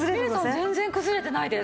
全然くずれてないです。